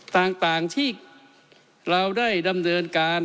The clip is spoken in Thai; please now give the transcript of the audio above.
ต่างที่เราได้ดำเนินการ